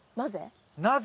なぜ？